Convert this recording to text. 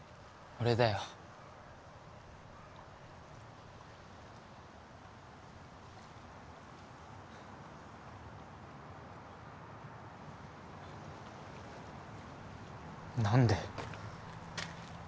俺だよ何で？